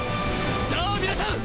さぁ皆さん！